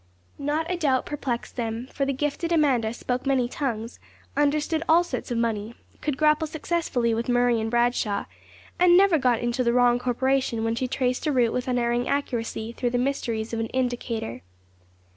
Not a doubt perplexed them; for the gifted Amanda spoke many tongues, understood all sorts of money, could grapple successfully with Murray and Bradshaw, and never got into the wrong corporation when she traced a route with unerring accuracy through the mysteries of an Indicator.